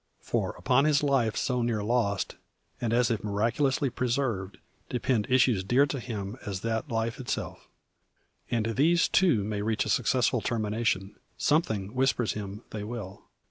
For upon his life so near lost, and as if miraculously preserved, depend issues dear to him as that life itself. And these, too, may reach a successful termination; some thing whispers him they will.